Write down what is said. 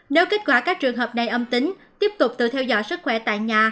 nếu kết quả các trường hợp này âm tính tiếp tục tự theo dõi sức khỏe tại nhà